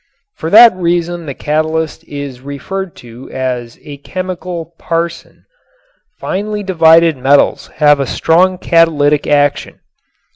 For that reason the catalyst is referred to as "a chemical parson." Finely divided metals have a strong catalytic action.